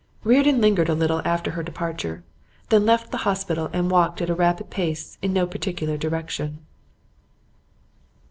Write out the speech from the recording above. Reardon lingered a little after her departure, then left the hospital and walked at a rapid pace in no particular direction.